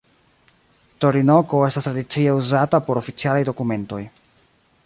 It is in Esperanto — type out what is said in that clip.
Torinoko estas tradicie uzata por oficialaj dokumentoj.